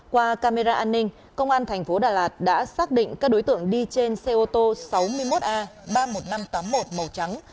qua camera an ninh công an thành phố đà lạt đã xác định các đối tượng đi trên xe ô tô sáu mươi một a ba mươi một nghìn năm trăm tám mươi một màu trắng